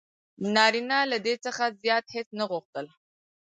نارینه له دې څخه زیات هیڅ نه غوښتل: